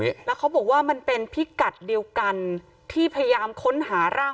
แล้วเขาบอกว่ามันเป็นพิกัดเดียวกันที่พยายามค้นหาร่าง